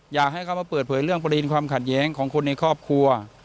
อยากให้เขามาเปิดเผยเรื่องประเด็นความขัดแย้งของคนในครอบครัว